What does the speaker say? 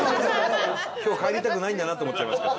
今日は帰りたくないんだなって思っちゃいますけど。